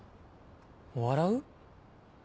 笑う？